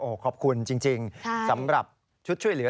ขอบคุณจริงสำหรับชุดช่วยเหลือ